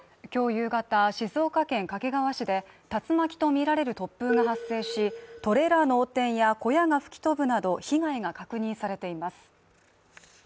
夕方静岡県掛川市で竜巻とみられる突風が発生し、トレーラーの横転や小屋が吹き飛ぶなど被害が確認されています。